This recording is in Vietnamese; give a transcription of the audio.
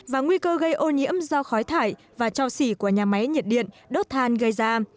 và nguy cơ gây ô nhiễm do khói thải và cho xỉ của nhà máy nhiệt điện đốt than gây ra